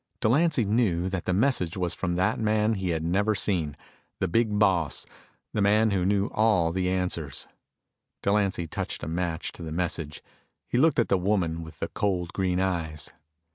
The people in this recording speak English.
Delancy knew that the message was from that man he had never seen the big boss, the man who knew all the answers. Delancy touched a match to the message. He looked at the woman with the cold green eyes.